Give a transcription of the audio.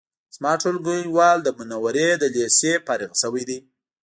زما ټولګیوال د منورې د لیسې نه فارغ شوی دی